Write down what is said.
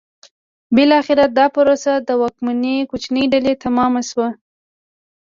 بالاخره دا پروسه د واکمنې کوچنۍ ډلې تمامه شوه.